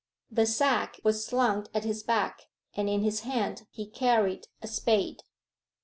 The sack was slung at his back, and in his hand he carried a spade.